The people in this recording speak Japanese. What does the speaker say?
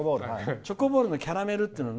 チョコボールのキャラメル。